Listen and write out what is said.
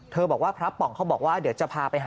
เธอบอกพระปองเขาบอกว่าเดี๋ยวจะพาไป